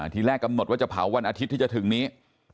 ทีแรกกำหนดว่าจะเผาวันอาทิตย์ที่จะถึงนี้